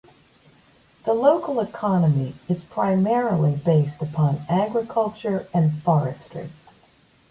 The local economy is primarily based upon agriculture and forestry.